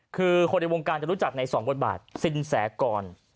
คือคนในวงการจะรู้จักใน๒บทบาทสินแสกร